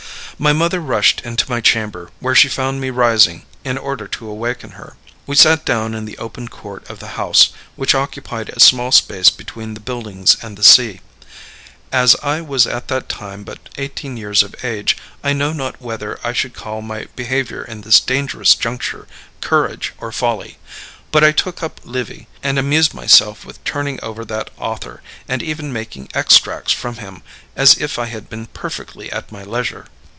My mother rushed into my chamber, where she found me rising, in order to awaken her. We sat down in the open court of the house, which occupied a small space between the buildings and the sea. As I was at that time but eighteen years of age, I know not whether I should call my behavior in this dangerous juncture courage or folly; but I took up Livy, and amused myself with turning over that author, and even making extracts from him, as if I had been perfectly at my leisure.